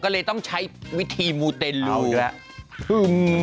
ก็เลยต้องใช้วิธีมูเตนรู